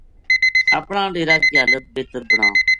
اپنا ڈیرا کی حالت بہتر بناں